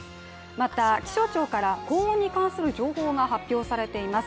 また、気象庁から高温に関する情報が発表されています。